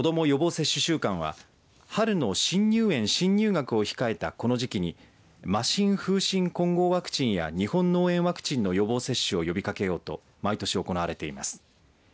予防接種週間は春の新入園・新入学を控えたこの時期に麻しん風しん混合ワクチンや日本脳炎ワクチンの予防接種を呼びかけようと毎年行われています。